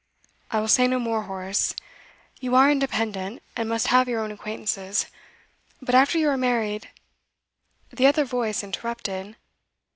'I will say no more, Horace. You are independent, and must have your own acquaintances. But after you are married ' The other voice interrupted.